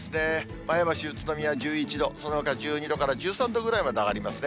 前橋、宇都宮１１度、そのほか１２度から１３度ぐらいまで上がりますね。